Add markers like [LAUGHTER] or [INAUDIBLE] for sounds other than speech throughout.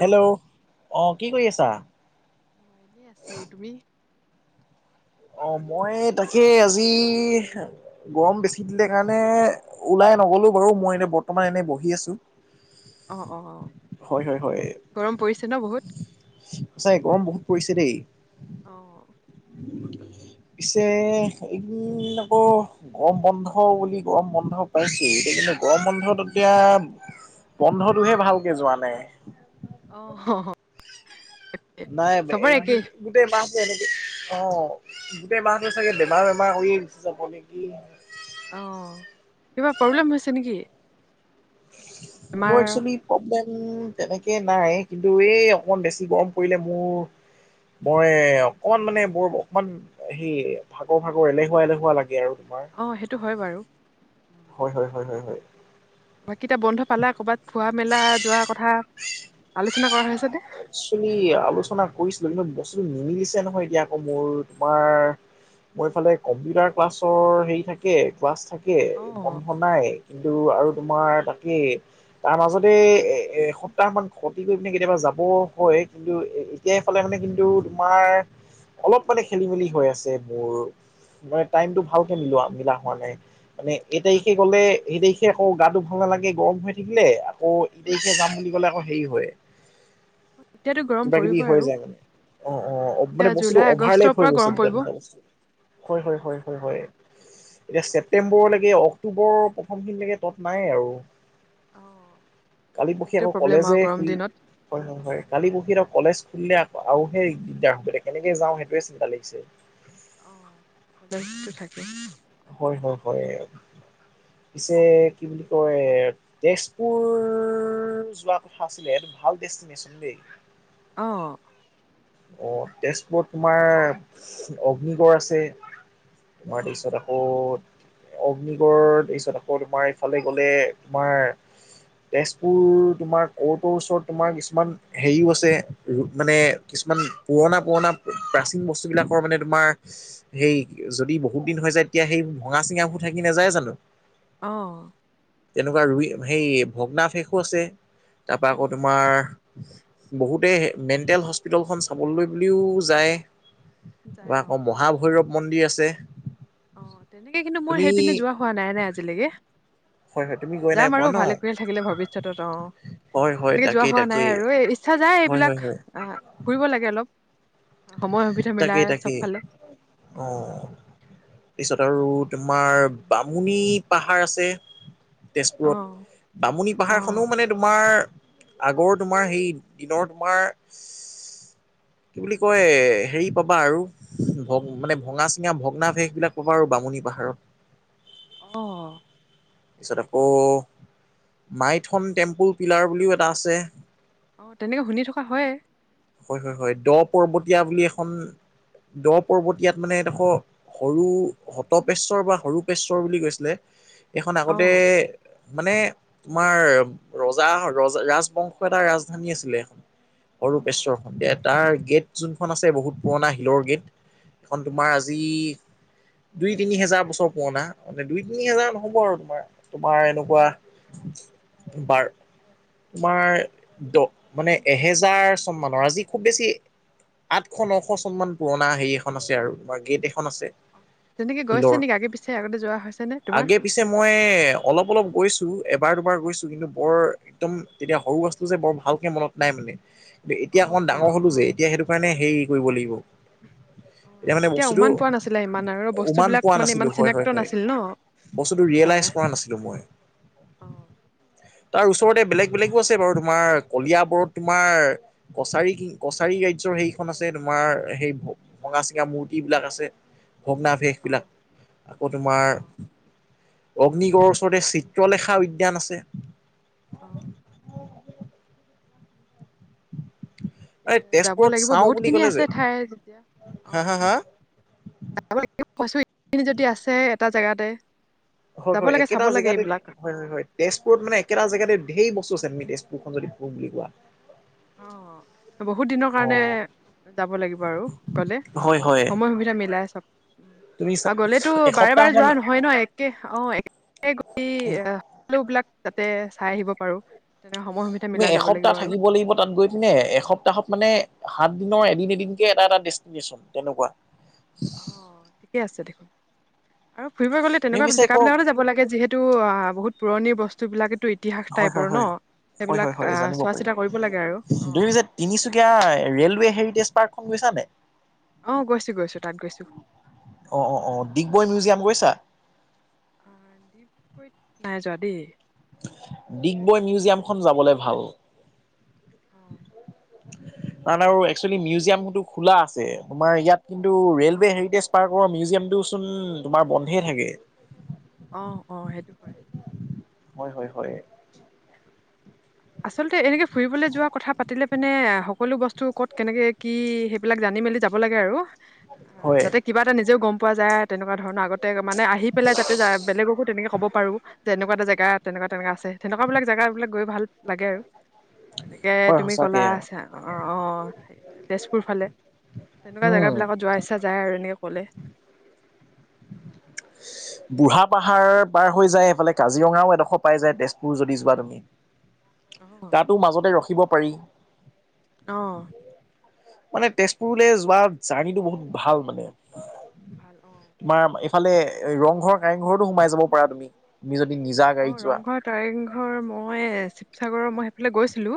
Hello অঁ কি কৰি আছা এনে আছো তুমি অ মই তাকে আজি গৰম বেছি দিলে কাৰণে ওলাই নগলো বাৰু মই এনে বৰ্তমান এনেই বহি আছো অঁ অঁ অঁ হয় হয় হয় গৰম পৰিছে ন বহুত আাই গৰম বহুত পৰিছে দেই অ পিছে ইদিন আকৌ গৰম বন্ধ বুলি গৰম বন্ধ পাইছে এতিয়া কিন্তু গৰম বন্ধত এতিয়া বন্ধটোহে ভালকে যোৱা নাই অ নাই চবৰে এই একেই গোটেই মাহছে এনেকে অ ব চাগে বেমাৰ বেমাৰ ে চাবে কি অ কিবা প্ৰব্লেম হৈছে নেকি বেমাৰ ম একচেলি প্ৰব্লেম তেনেকে নাই কিন্তু এই অকমান বেছি গৰম পৰিলে মোৰ মই অকমান মানে মোৰ অকমান সেই ভাগৰ ভাগৰ এলেহুৱা এলেহুৱা লাগে আৰু তোমাৰ অঁ সেইটো হয় বাৰু হয় হয় হয় হয় হয় বাকটায়া বন্ধ পালা কৰ'বাত খোৱা মেলা যোৱা কথা আলোচনা কৰা হৈছে ন একেলি আলোচনা কৰিছিলো কিন্তু বস্তুটো নিমিলিছে নহয় এতিয়া আকৌ মোৰ তোমাৰ মইফালে কম্পিউটাৰ ক্লাছৰ হেৰি থাকে ক্লাছ থাকে অ বন্ধন নাই কিন্তু আৰু তোমাৰ তাকেই তাৰ মাজতে এ এ এ সপ্তাহ মান কৰি পনে কেতিয়াবা যাব হয় কিন্তু এতিয় এইফালে মানে কিন্তু তোমাৰ অলপ মানে খেলি মেলি হৈ আছে মোৰ। মানে টাইমতটো ভালকে মিলোৱা মিলা হোৱা নাই মানে এই তাৰিখে গ'লে সেই তাৰিখে আকৌ গাো ভাল নালাগে গৰম হৈ থাকিলে আকৌ ইদখে যাম বুলি ক'লে আকৌ হেৰি হয়। এতিয়াতো গৰম কিবা কিবি পৰিব হৈ আৰু যায় মানে। অ', অ', এতিয়া মানে বস্তুটো জুলাই অভাৰ আগষ্টৰ লেইফ হৈ পৰা গৈছে গৰম পৰিব দু্ত হয় হয় হয়। এতিয়া ছেপটেম্বৰলৈকে অক্টোবৰৰ প্ৰথমখিনিলৈকে তত নাই আৰু। কালি পহি সেইটোৱে আকৌ প্ৰব্লেম আৰু কলেজে গৰম শু দিনত হয় নহয় হয় কালি পঢহি তেওঁ কলেজ খুলিলে আৰু সেই দিগদাৰ হৈব কেনেকে যাওঁ সেইটোৱে চিন্তা লাগিছে। [UNINTELLIGIBLE] হয় হয় হয় পিছে কি বুলি কয় তেজপুৰ যোৱা কথা আছিলে এইটো ভাল ডেষ্টিনেশচন দেই অ অ তেজপুৰত তোমাৰ অগ্নিগড় আছে হয় তাৰপাছত আকৌ অগ্নিগড় তাৰিছত আকৌ তোমাৰ ইফালে গলে তোমাৰ তেজপুৰ তোমাৰ ক'ৰ্টৰ ওচৰত তোমাৰ কিছুমান হেৰিও আছে মানে কিছুমান পুৰণা-পুৰণা প্ৰাচীন বস্তুবিলাকৰ মানে তোমাৰ [UNINTELLIGIBLE] সেই যদি বহুত দিন হৈ যায় তেতিয়া সেই ভঙা-চিঙাবোৰ থাকি নাযায় জানো? [UNINTELLIGIBLE] অঁ। [UNINTELLIGIBLE] তেনেকুৱা ৰুই সেই ভগ্নাৱশেষ‌ও আছে তাৰপা আকৌ উম তোমাৰ [UNINTELLIGIBLE] বহুতে মেণ্টেল হস্পিতেলখন চাবলৈ বুলিও যায়। [INAUDIBLE] যায় তাৰপৰা অ আকৌ মহাভৈৰৱ মন্দিৰ আছে। [INAUDIBLE] অঁ! তেনেকে কিন্তু মোৰ তুমি সেই পিনে যোৱা হোৱা নাই-নাই আজিলৈকে। [UNINTELLIGIBLE] হয় হয় তুমি গৈ নাই যাম আৰু পোৱা ন? ভালে কোশলে থাকিলে ভৱিষ্যতত অঁ। হয় হয় [UNINTELLIGIBLE] তেনেকে যোৱা তাকেই হোৱা নাই তাকেই আৰু এই ইচ্ছা যায় হয় হয় এইবিলাক হয় আহ ফুৰিব লাগে অলপ। [INAUDIBLE] সুবিধা মিলাই তাকেই-তাকেই চবফালে [INAUDIBLE] অ উম! তাৰপিছত আৰু তোমাৰ বামুণী পাহাৰ আছে। [INAUDIBLE] অ তেজপুৰত বামুনি পাহাৰখনো অ মানে তোমাৰ [UNINTELLIGIBLE] আগৰ তোমাৰ সেই দিনৰ তোমাৰ [INAUDIBLE] কৈ হেৰি পাবা আৰু [UNINTELLIGIBLE] ভগ মানে ভঙা-চিঙা ভগ্নাৱশেষবিলাক পাবা আৰু বামুণী পাহাৰত। [UNINTELLIGIBLE] অঁ। [INAUDIBLE] তাৰপিছত আকৌ মাইথন টেম্পুল পিলাৰ বুলিও এটা আছে। [UNINTELLIGIBLE] অঁ! তেনেকে শুনি থকা হয়। [UNINTELLIGIBLE] হয়-হয়-হয়, দ পৰ্বতীয়া বুলি এখন দ পৰ্বতীয়াত মানে এদখ [UNINTELLIGIBLE] সৰু হতপেশ্বৰ বা সৰু পেশ্বৰ বুলি কৈছিলে এইখন অ আগতে [UNINTELLIGIBLE] মানে [INAUDIBLE] তোমাৰ ৰজা [UNINTELLIGIBLE] ৰাজবংশৰ এটা ৰাজধানী আছিলে। অৰূপেশ্বৰ সন্ধিয়া। তাৰ গেট যোনখন আছে বহুত পুৰণা শিলৰ গেট। [UNINTELLIGIBLE] সেইখন অ তোমাৰ আজি [INAUDIBLE] দুই-তিনি হেজাৰ বছৰ পুৰণা মানে দুই-তিনি হেজাৰ নহব আৰু তোমাৰ। তোমাৰ এনেকুৱা [UNINTELLIGIBLE] [UNINTELLIGIBLE] বাৰ তোমাৰ দ মানে এহেজাৰ চন মানৰ আজি খুব বেছি [UNINTELLIGIBLE] আঠশ-নশ চন মান পুৰণা হেৰি এখন আছে আৰু তোমাৰ গেট এখন আছে। [UNINTELLIGIBLE] তেনেকে গৈছে শিলৰ নেকি আগে-পিছে আগতে যোৱা হৈছে নে তোমাৰ? আগে [UNINTELLIGIBLE] পিছে মই অলপ-অলপ গৈছোঁ। এবাৰ-দুবাৰ গৈছোঁ। কিন্তু বৰ [UNINTELLIGIBLE] একদম তেতিয়া সৰু আছিলোঁ যে বৰ ভালকে মনত নাই মানে। [UNINTELLIGIBLE] এতিয়া অ অকমান অ ডাঙৰ হলো অ যে এতিয়া সেইটো কাৰণে হেৰি কৰিব লাগিব। অ [UNINTELLIGIBLE] এতিয়া মানে তেতিয়া বস্তুটো উমান পোৱা নাছিলে ইমান আৰু উমান বস্তুবিলাক পোৱা মানে ইমান নাছিলোঁ। চিনাক্ত হয়-হয়-হয়। নাছিল ন [UNINTELLIGIBLE] বস্তুটো ৰিয়েলাইজ কৰা নাছিলো মই। [UNINTELLIGIBLE] অঁ! [UNINTELLIGIBLE] তাৰ ওচৰতে বেলেগ-বেলেগো আছে বাৰু তোমাৰ কলিয়াবৰত তোমাৰ [UNINTELLIGIBLE] কছাৰী কি কছাৰী গাড [UNINTELLIGIBLE] [UNINTELLIGIBLE] হেৰিখন আছে তোমাৰ সেই ভঙা-চিঙা মূৰ্তিবিলাক আছে। অ ভগ্নাৱশেষবিলাক আকৌ তোমাৰ অ [UNINTELLIGIBLE] অগ্নিগড়ৰ ওচৰতে চিত্ৰলেখা উদ্যান আছে। [UNINTELLIGIBLE] আহ [INAUDIBLE] তেনেকে এই [UNINTELLIGIBLE] যাব তেজপুৰত লাগিব চাওঁ বুলি বহুতখিনি ক'লে আছে যে ঠাই যেতিয়া। হা হা আহ হা [UNINTELLIGIBLE] যাব লাগিব কৈছো [UNINTELLIGIBLE] এইখিনি যদি আছে এটা জেগাতে। হয় যাব হয় লাগে, একেটা চাব লাগে জেগাতে এইবিলাক। হয় [UNINTELLIGIBLE] হয় হয় তেজপুৰত মানে একেটা জেগাতে ধেই বস্তু আছে আমি তেজপুৰখন যদি ফুৰো বুলি কোৱা। [UNINTELLIGIBLE] অঁ, বহুত দিনৰ অ কাৰণে যাব লাগিব আৰু গলে। হয় হয় সময় সুবিধা মিলাই চব। তুমি গলেটো বাৰে এসপ্তাহ বাৰে মান যোৱা নহয় ন একে অঁ এক গৈ কি অঁ লোগ বিলাক তাতে চাই আহিব পাৰো। তেনে সময় সুবিধা তুমি মিলাই যাব এসপ্তাহ লাগিব আৰু থাকিব লাগিব তাত গৈ পিনে এসপ্ত সপ্তাহত মানে সাত দিনৰ এদিন এদিনকে এটা এটা ডেষ্টিনেশচন তেনেকুৱা। অঁ ঠিকে আছে দেখোন, আৰু ফুৰিব গ'লে তুমি তেনেকুৱা পিছে জেগা ক বিলাকো যাব লাগে যিহেত এইটো আ বহুত পুৰণি বস্তু বিলাকেতো ইতিহাস হয় টাইপৰ হয় ন হয় হয় সেইবিলাক হয় হয় জানিব চোৱা পাৰি চিতা কৰিব লাগে আৰু। অ তুমি পিছে তিনিচুকীয়া ৰেলৱে হেৰিটেজ পাৰ্কখন গৈছা নে নাই? অঁ গৈছোঁ গৈছোঁ তাত গৈছোঁ। অঁ অঁ অঁ ডিগবৈ মিউজিয়াম গৈছা। অঁ, ডিগবৈত নাই যোৱা দেই। ডিগবৈ মিউজিয়ামখন যাবলৈ ভাল। আঁহ তাত আৰু একচুৱেলি মিউজিয়ামো খোলা আছে। তোমাৰ ইয়াত কিন্তু অ ৰে'লৱে হেৰিটেজ পাৰ্কৰ মিউজিয়ামটোচোন তোমাৰ বন্ধে থাকে। অঁ অঁ সেইটো হয়। হয় হয় হয়। আচলতে এনেকে ফুৰিবলৈ যোৱাৰ কথা পাতিলে পিনে সকলো বস্তু ক'ত কেনেকে কি এইবিলাক জানি মেলি যাব লাগে আৰু, অঁ হয় যাতে কিবা এটা নিজেও গম পোৱা যায় তেনেকুৱা ধৰণৰ আগত তাতে মানে আহি পেলাই যাতে যা বেলেগকো তেনেকে'ব পাৰো, যে এনেকুৱা এটা জেগাত তেনেকুৱা তেনেককা আছে তেনেকুৱা বিলাক জেগা বিলাক গৈ ভাল লাগে আৰু তাকে হয় তুমি ক'লা সঁচাকে আছা অঁ অঁ, তেজপুৰ ফালে তেনেকুৱা উম জেগাবিলাকত যোৱাৰ ইচ্ছা যায় আৰু এনেকৈ ক'লে। বুঢ়া পাহাৰ পাৰ হৈ যায় এইফালে কাজিৰঙাও এডোখৰ পাই যায় তেজপুৰ যদি যোৱা তুমি। অ', তাতো মাজতে ৰখিব পাৰি অঁ মানে তেজপুৰলৈ যোৱা জাৰ্ণিটো বহুত ভাল মানে। ভাল অঁ তোমাৰ এইফালে ৰংঘৰ কাৰেংঘৰতো সোমাই যাব পাৰা। তুমি নিজ অঁ ৰংঘৰ কাৰেংঘৰ মই শিৱসাগৰৰ মই সেইফালে গৈছিলো।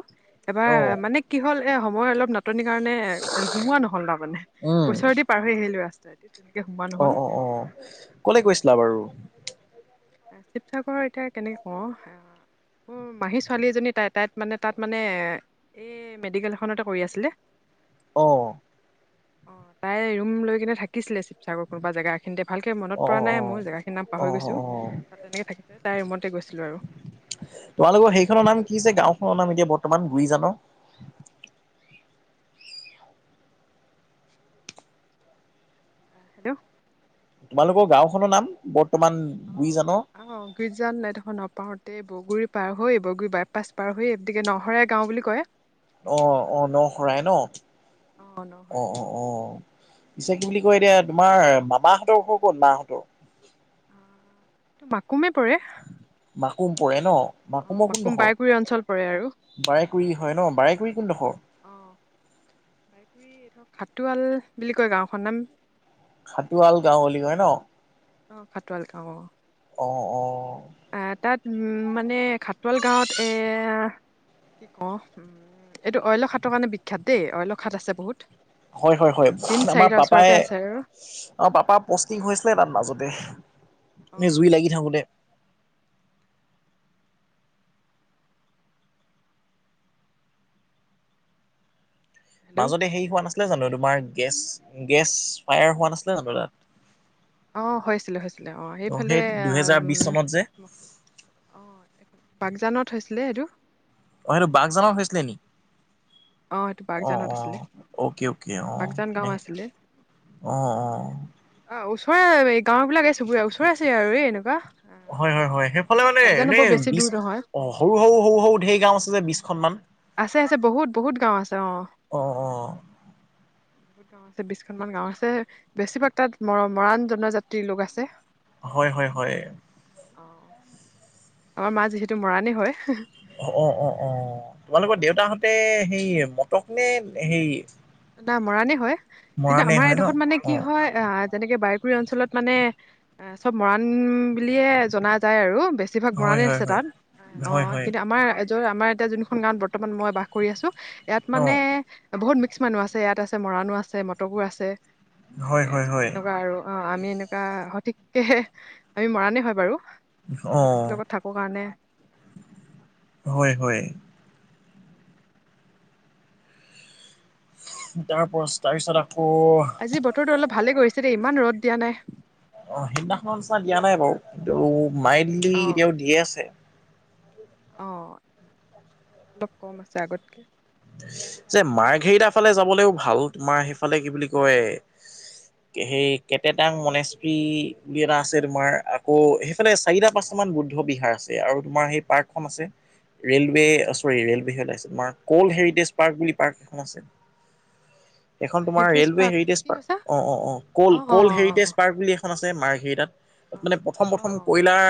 এবাৰ অ মানে কি কি হ'ল এ সময় অলপ নাটনিৰ কাৰণে এ সোমোৱা নহ'ল তাৰমানে। ওচৰে দি পাৰ হৈ আহিলো ৰাস্তাই দি। অঁ অঁ অঁ, কলে গৈছিলা বাৰু। শিৱসাগৰৰএতিয়া কেনেকে কওঁ। উম মাহী ছোৱালী এজনী তাই তাইত মানে তাত মানে। এই মেডিকেল এখনতে কৰি আছিলে। অ অঁ তাই ৰুম লৈ কিনে থাকিছিলে। সাগৰ কোনোবা জেগাখিনিতে, ভালকে অ মনত অ পৰা নাই অ মোৰ জেগাখিনি নাম অ পাহৰি অ গৈছো। অ তাত তেনেকে থাকিব যায়, তাই ৰুমতে গৈছিলো আৰু। তোমালোকৰ সেইখনৰ নাম কি যে, গাঁওখনৰ নাম এতিয়া বৰ্তমান গুৰি জানৰ। ল্ল' তোমালোকৰ গাঁওখনৰ নাম বৰ্তমান অঁ গুৰিজানৰ অঁ গুইজান এইডোখৰ নৌপাওঁতেই বৰগুৰি পাৰ হৈ বৰগুৰি বাইপাছ পাৰ হৈ গতিকে নশৰাই গাওঁ বুলি কয়। অঁ অঁ নশৰাই ন? অঁ নহৰাই অ' অ' গাঁও অ'। পিছে কি বুলি কয় উম, এতিয়া তোমাৰ মামাহঁতৰ ঘৰ ক'ত মাহঁতৰ? মাকুমে পৰে। মাকুম পৰে ন অঁ মাকুমৰ কোন মাকুম ডখৰ? বাইগুৰি অঞ্চল পৰে আৰু বাৰেকুৰি হয় ন, বাৰেকুৰি কোন ডখৰ? অঁ বাৰেকুৰি এইডখৰ খাটোৱাল বুলি কয় গাঁওখনৰ নাম। খাটোৱাল গাঁও বুলি কয় ন? অঁ খাটোৱাল গাঁও অঁ। অঁ অঁ। আহ তাত উম মানে খাটোৱাল গাঁৱত এ কি কওঁ উম এইটো অইলৰ খাটৰ কাৰণে বিখ্যাত দেই অইলৰ খাট আছে বহুত। হয় হয় হয় তিন আমাৰ চাৰিটা পাপাই ওচৰতে আছে আৰু অঁ পাপা পষ্টিং উম হৈছিলে তাত মাজতে অ এ জুই লাগি থাকোঁতে। হেল্ল' মাজতে হেৰি হোৱা নাছিলে জানো তোমাৰ গেছ গেছ ফায়াৰ হোৱা নাছিলে জানো তাত? অঁ হৈছিলে হৈছিলে অঁ অ সেইফালে সেই এ দুহেজাৰ বিশ চনত যে অঁ বাগজানত হৈছিলে এইটো। অ' সেইটো বাগজানত হৈছিলে নে? অ এইটো অঁ বাগজানত অঁ আছিলে অকে অকে অঁহ। বাগজান গাঁও আছিলে অঁ অঁ। অঁ ওচৰে এই গাঁও বিলাক চুবুৰীয়া ওচৰা ওচৰি আৰু এই এনেকুৱা। হয় হয় হয় সেইফালে মানে বাগজানো বৰ এনেই বেছি বিশ দূৰ নহয় অ' সৰু সৰু সৰু সৰু ঢেৰ গাওঁ আছে যে বিশখন মান? আছে আছে বহুত বহুত গাঁও আছে অঁ। অ [INAUDIBLE] অঁ আছে বিশখনমান গাঁও আছে বেছিভাগ তাত ম মৰাণ জনজাতিৰ লোক আছে। হয় হয় হয়। অঁ আমাৰ মাঁ যিহেতু মৰাণেই হয়। অ' অ' অঁ, তোমালোকৰ দেউতাহঁতে সেই মটক নে সেই না মৰাণেই হয়, কিন্তু মৰাণে আমাৰ হয় ন এইডখৰত মানে কি অ হয় এ আ যেনেকে বাৰেকুৰি অঞ্চলত মানে চব মৰাণ বুলিয়ে জনা যায় আৰু বে বেছিভাগ হয় মৰানে হয় আছে হয় তাত। হয় অঁ হয় কিন্তু আমাৰ এতিয়া যোনখন গাঁৱত বৰ্তমান মই বাস কৰি আছো ইয়াত অ মানে বহুত মি ক্স মানুহ আছে, ইয়াত আছে মৰাণো আছে মটকো আছে হয় তে হয় হয় তেনেকুৱা আৰু। অঁ আমি এনেকুৱা সঠিককৈ আমি মৰাণেই হয় বাৰু। অ মিক্স লগত থাকো কাৰণে, হয় হয়। [INAUDIBLE] তাৰপছ তাৰ পিছত আকৌ আজি বতৰটো অলপ ভালে কৰিছে দেই ইমান ৰদ দিয়া নাই। অঁ সিদিনাখন নিচিনা দিয়া নাই বাৰু, কিন্তু মাইলডলি অ এতিয়াও দিয়ে আছে। অঁ অলপ কম আছে আগতকৈ। যে মাৰ মাৰ্ঘেৰিটা ফালে যাবলৈও ভাল তোমাৰ সেইফালে কি বুলি কয় সেই কেটেটং মনেষ্ট্ৰি বুলি এটা আছে তোমাৰ আকৌ সেইফালে চাৰিটা পাঁচটামান বুদ্ধ বিহাৰ আছে, আৰু তোমাৰ সেই পাৰ্কখন আছে ৰেলৱে অ চৰি ৰেলৱে হে ওলাইছে তোমাৰ ক'ল্ড হেৰিটেজ পাৰ্ক বুলি পাৰ্ক এখন আছে। এখন তোমাৰ সেইত্ৰিশ ৰে'লৱে পাক হেৰিটেজ কি কৈছা park of of of uh called uh called uh heritage park বুলি এখন আছে মাৰ্ঘেৰিটাত। অ তাত মানে প্ৰথম অ প্ৰথম কয়লাৰ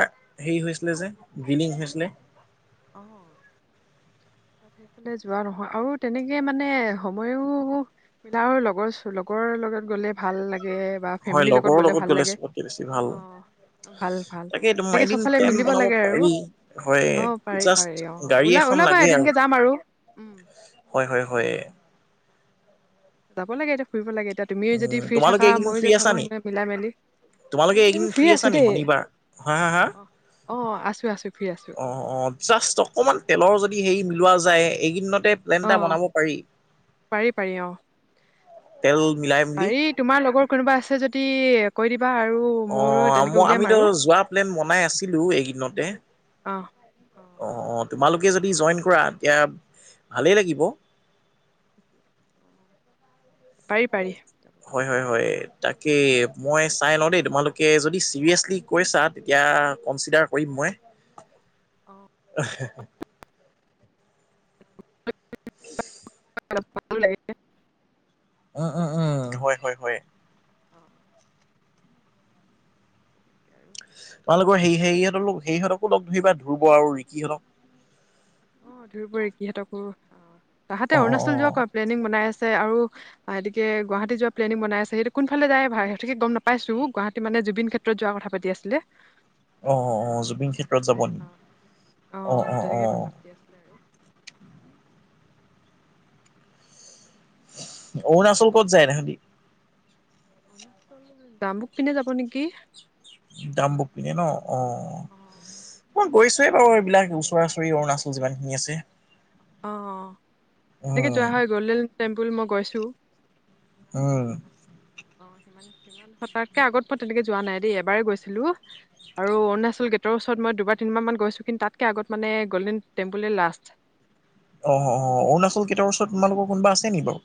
হেৰি হৈছিলে যে গ্ৰীলিং হৈছিলে। অৱ। সেইফালে যোৱা নহয় আৰু তেনেকে মানে সময়ো আৰু লগৰ লগৰ লগত গ'লে ভাল লাগে। বা হয় ফেমিলিৰ লগত লগৰৰ গ'লে ভাল লাগে, চবতকে বেছি ভাল অৱ। ভাল ভাল তাকে তোমাৰ সেনেকে এদিন চপফালে প্লেন মিলিব বনাব লাগে আৰু, পাৰি হয় অৱ। পাৰি জাষ্ট পাৰি অ গাড়ী ওলা এখন ওলাবা লাগে এদিনকে যাম আৰু উম হয় হয় হয়। যাব লাগে এতিয়া ফুৰিব লাগে এতিয়া তুমিও উম, যদি ফ্ৰী তোমালোকে থাকা এইকেইদিন ময়ো ফ্ৰী যদি আছা নি? থাকো মিলাই মেলি। তোমালোকে এইকেইদিন ফ্ৰী আছা আছো নি দেই, শনিবাৰ? হা হা হা? অহ অহ আছো আছো ফ্ৰী আছো। অৱ জাষ্ট অকণমান তেলৰ যদি হেৰি মিলোৱা যায় এইকদিনতে প্লেন অ এটা বনাব পাৰি। পাৰি পাৰি অৱ। তেল মিলাই মেলি তোমাৰ লগৰ কোনোবা আছে যদি কৈ দিবা আৰু মোৰ অ তেনেকে মই উলিয়াম আমিতো আৰু। যোৱা প্লেন বনাই আছিলোঁ এইদিনতে। অৱ। অৱ অৱ তোমালোকে যদি জইন কৰা তেতিয়া ভালেই লাগিব। পাৰি পাৰি। যাব পাৰি হয় হয় হয় তাকে মই চাই লও দেই তোমালোকে যদি চিৰিয়েচলি কৈছা তেতিয়া কনচিডাৰ কৰিম মই। অৱ। উ [UNINTELLIGIBLE] [UNINTELLIGIBLE] উম উম উম হয় হয় হয়। [UNINTELLIGIBLE] অ। তোমালোকৰ সেই সিহঁতকো সেইসতকো লগ ধৰিবা ধ্ৰুৱ আৰু ৰিকি হতঁক। অৱ ধ্ৰুৱ ৰিকিহঁতকো অ তাহাঁতে অ অ অ অৰুণাচল যোৱা ক প্লেনিং বনাই আছে আৰু গুৱাহাটী যোৱা প্লেনিং বনাই আছে সেইটো কোনফালে যায় সিহঁতে গম নাপাইছো গুৱাহাটী মানে জুবিন ক্ষেত্ৰ যোৱা কথা পাতি আছিলে। অৱ অৱ জুবিন ক্ষেত্ৰত যাব নেকি অৱ অৱ অৱ। কি আছিলে আৰু অৰুণাচল ক'ত যায় তাহঁতি? অৰুণাচল দামবুক পিনে যাব নেকি? দামবুক পিনে ন অৱ। অৱ। মই গৈছোয়ে বাৰু এইবিলাক ওচৰা ওচৰি অৰুণাচল যিমান খিনি আছে। অৱ অৱ তেনেকে উম যোৱা হয় গ'ল্ডেন টেম্পুল মই গৈছোঁ। উম। অৱ সিমান সিমান হঠাতকে আগত মই তেনেকে যোৱা নাই দেই এবাৰে গৈছিলোঁ। আৰু অৰুণাচল গেটৰ ওচৰত মই দুবাৰ তিনবাৰ মান গৈছোঁ কিন্তু তাতকে আগত মানে গল্ডেন টেম্পুলে লাষ্ট। অ অ অৰুণাচল গেটৰ ওচৰত অ তোমালোকৰ কোনবা আছে নেকি বাও।